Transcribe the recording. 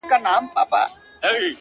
ستا سترگي دي؛